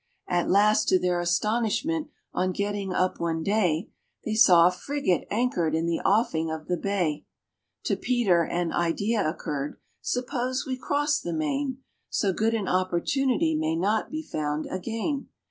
At last, to their astonishment, on getting up one day, They saw a frigate anchored in the offing of the bay. To PETER an idea occurred, "Suppose we cross the main? So good an opportunity may not be found again."